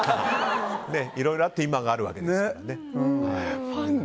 いろいろあって今があるわけですからね。